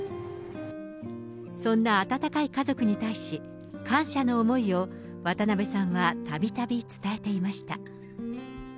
そんな温かい家族に対し、感謝の思いを渡辺さんはたびたび伝えていました。